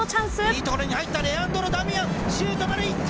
いいところに入ったレアンドロ・ダミアン。